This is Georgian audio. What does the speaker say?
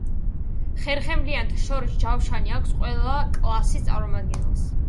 ხერხემლიანთა შორის ჯავშანი აქვს ყველა კლასის წარმომადგენელს.